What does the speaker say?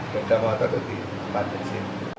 dan danuata itu di pantai sini